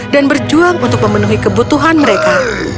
dan berjuang untuk memenuhi kebutuhan mereka